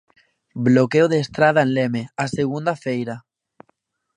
Bloqueo de estrada en Leme a segunda feira.